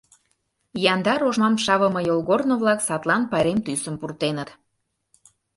Яндар ошмам шавыме йолгорно-влак садлан пайрем тӱсым пуртеныт.